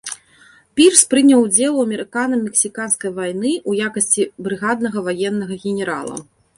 Пірс прыняў удзел у амерыкана-мексіканскай вайны ў якасці брыгаднага ваеннага генерала.